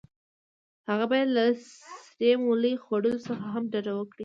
هغه باید له سرې مولۍ خوړلو څخه هم ډډه وکړي.